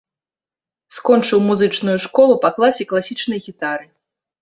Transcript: Скончыў музычную школу па класе класічнай гітары.